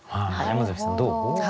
山崎さんどう？